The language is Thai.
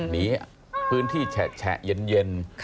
พื้นที่แฉะเย็น